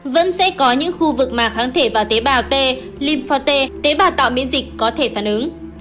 vẫn sẽ có những khu vực mà kháng thể vào tế bào t lympho t tế bào tạo biến dịch có thể phản ứng